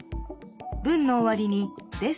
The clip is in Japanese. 文のおわりに「です」